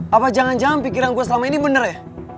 apa jangan jangan pikiran gue selama ini bener ya